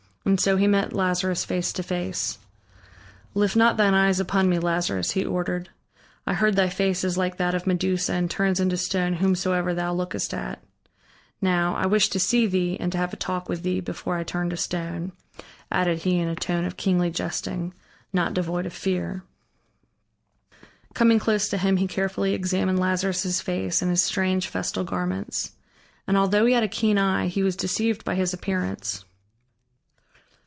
And so he met Lazarus face to face: "Lift not thine eyes upon me, Lazarus," he ordered. "I heard thy face is like that of Medusa and turns into stone whomsoever thou lookest at. Now, I wish to see thee and to have a talk with thee, before I turn into stone," added he in a tone of kingly jesting, not devoid of fear. Coming close to him, he carefully examined Lazarus' face and his strange festal garments. And although he had a keen eye, he was deceived by his appearance.